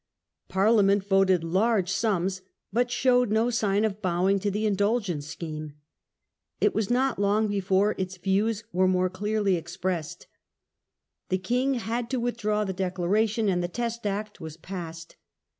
Parliament voted large sums, but showed no sign of bowing to the Indulgence scheme. It was not long before its views were more clearly expressed. The king had to withdraw the Declaration, and the Test Act was passed.